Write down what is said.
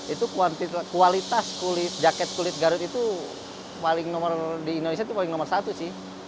itu kualitas jaket kulit garut itu paling nomor di indonesia itu paling nomor satu sih